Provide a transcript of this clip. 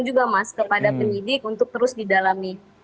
kita sampaikan juga mas kepada pendidik untuk terus didalami